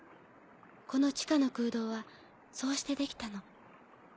この地下の空洞はそうして出来たの。